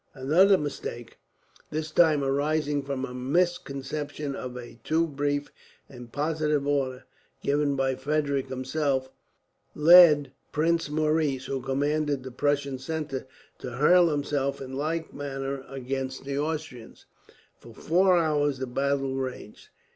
Another mistake this time arising from a misconception of a too brief and positive order, given by Frederick himself led Prince Maurice, who commanded the Prussian centre, to hurl himself in like manner against the Austrians. For four hours the battle raged.